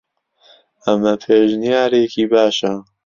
ئەمە پێشنیارێکی باشە.